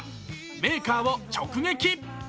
メーカーを直撃。